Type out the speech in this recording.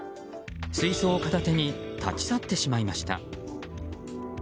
水槽片手に立ち去ってしまいました。